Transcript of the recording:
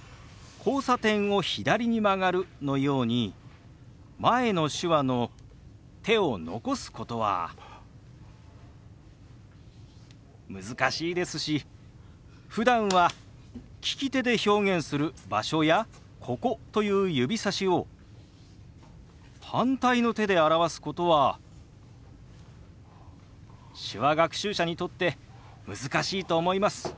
「交差点を左に曲がる」のように前の手話の手を残すことは難しいですしふだんは利き手で表現する「場所」や「ここ」という指さしを反対の手で表すことは手話学習者にとって難しいと思います。